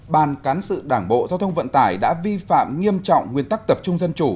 ban cán sự đảng bộ giao thông vận tải đã vi phạm nghiêm trọng nguyên tắc tập trung dân chủ